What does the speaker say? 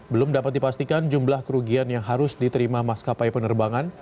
belum dapat dipastikan jumlah kerugian yang harus diterima maskapai penerbangan